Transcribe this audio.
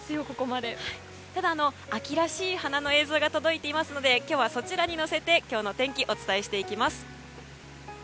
ただ、秋らしい花の映像が届いていますのでそれに乗せて今日の天気をお伝えしていきます。